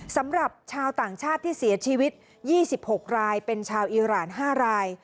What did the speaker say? สำหรับชาวต่างชาติที่เสียชีวิต๒๖รายเป็นชาวอีราน๕ราย